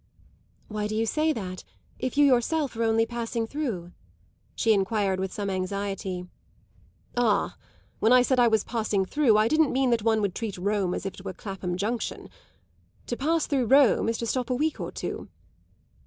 "Why do you say that if you yourself are only passing through?" she enquired with some anxiety. "Ah, when I said I was passing through I didn't mean that one would treat Rome as if it were Clapham Junction. To pass through Rome is to stop a week or two."